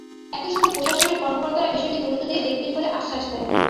একই সঙ্গে প্রশাসনের কর্মকর্তারা বিষয়টি গুরুত্ব দিয়ে দেখবেন বলে আশ্বাস দেন।